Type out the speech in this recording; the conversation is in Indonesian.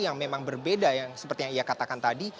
yang memang berbeda seperti yang ia katakan tadi